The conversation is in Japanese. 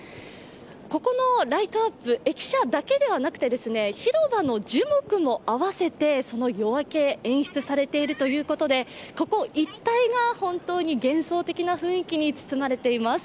ここのライトアップ、駅舎だけではなくて広場の樹木も合わせてその夜明けが演出されているということで、ここ一帯が幻想的な雰囲気に包まれています。